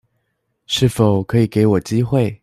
是否可以給我機會